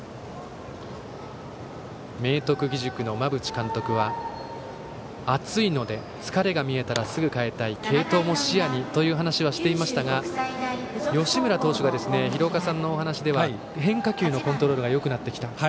明徳義塾の馬淵監督は暑いので疲れが見えたらすぐ代えたい継投も視野にという話はしていましたが吉村投手が、廣岡さんのお話では変化球のコントロールがよくなってきた。